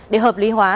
để hợp lý hóa